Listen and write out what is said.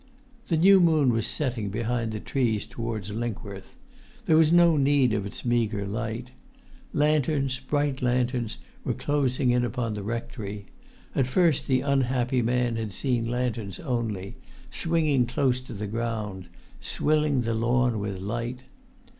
The new moon was setting behind the trees towards Linkworth; there was no need of its meagre light. Lanterns, bright lanterns, were closing in upon the rectory: at first the unhappy man had seen lanterns only, swinging close to the ground, swilling the lawn with light.